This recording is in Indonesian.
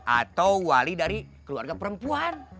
atau wali dari keluarga perempuan